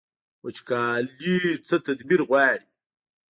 وچکالي څه تدبیر غواړي؟